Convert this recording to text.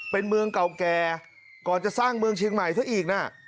เป็นเมืองเก่าแก่ก่อนจะสร้างเมืองเชียงใหม่ซะอีกนะ